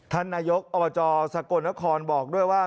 ท่านนายกอบจสกลนครบอกด้วยว่า